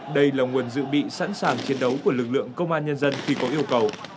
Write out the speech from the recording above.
đây là nguồn dự bị sẵn sàng chiến đấu của lực lượng công an nhân dân khi có yêu cầu